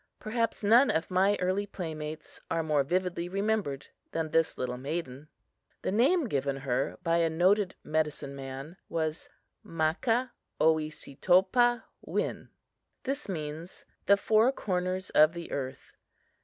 Perhaps none of my early playmates are more vividly remembered than is this little maiden. The name given her by a noted medicine man was Makah oesetopah win. It means The four corners of the earth.